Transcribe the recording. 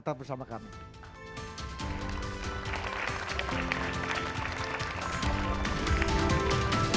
tetap bersama kami